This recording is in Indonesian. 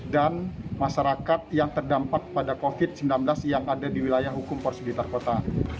dan masyarakat yang terdampak pada covid sembilan belas yang ada di wilayah hukum polores blitar kota